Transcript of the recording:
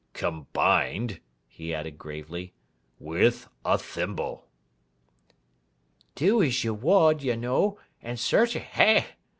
'Com bined,' he added gravely, 'with a thimble.' 'Do as you wold, you know, and cetrer, eh!